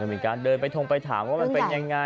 มีการเดินไปทงไปถามว่ามันเป็นยังไง